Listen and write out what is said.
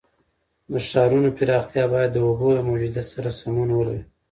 د ښارونو پراختیا باید د اوبو له موجودیت سره سمون ولري.